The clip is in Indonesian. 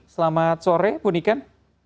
selamat sore bu niken